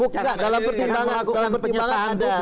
bukan dalam pertimbangan anda